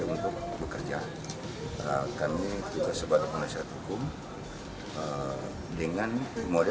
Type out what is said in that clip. tiga bungusan pastik kecil berisi butiran kristal yang diduga narkoba